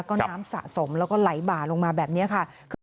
ก็น้ำสะสมแล้วก็ไหลบ่าลงมาแบบนี้ค่ะ